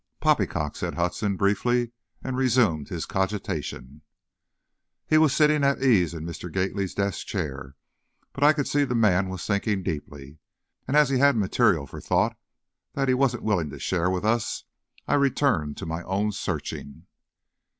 "Poppycock," said Hudson, briefly, and resumed his cogitation. He was sitting at ease in Mr. Gately's desk chair, but I could see the man was thinking deeply, and as he had material for thought that he wasn't willing to share with us, I returned to my own searching.